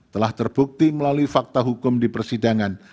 telah terbukti melalui fakta hukum di persidangan